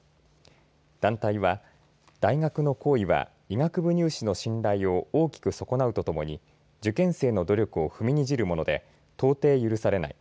団体は大学の行為は医学部入試の信頼を大きく損なうとともに受験生の努力を踏みにじるもので到底、許されない。